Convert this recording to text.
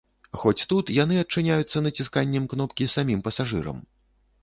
Хоць тут яны адчыняюцца націсканнем кнопкі самім пасажырам.